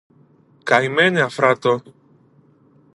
Καημένε Αφράτο!